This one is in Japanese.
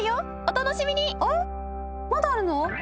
あっまだあるの？